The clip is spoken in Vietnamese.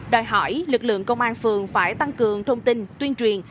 đòi hỏi lực lượng công an phường phải tăng cường thông tin tuyên truyền